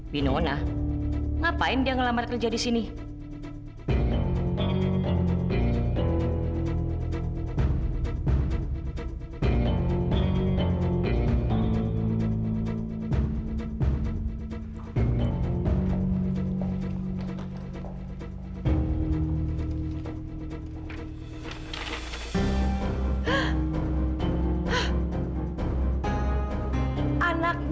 beliau panggilsa saya ke waklasalam